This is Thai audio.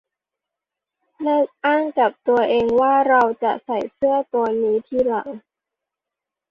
เลิกอ้างกับตัวเองว่าเราจะใส่เสื้อตัวนี้ทีหลัง